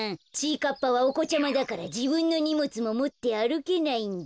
かっぱはおこちゃまだからじぶんのにもつももってあるけないんだ。